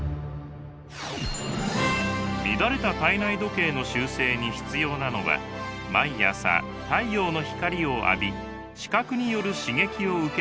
乱れた体内時計の修正に必要なのは毎朝太陽の光を浴び視覚による刺激を受けること。